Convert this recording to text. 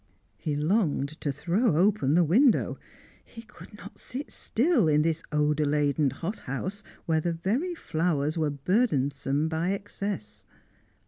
He longed to throw open the window; he could not sit still in this odour laden hothouse, where the very flowers were burdensome by excess.